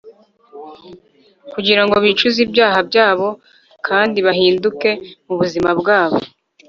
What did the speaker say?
kugira ngo bicuze ibyaha byabo, kandi bahinduke mu buzima bwabo”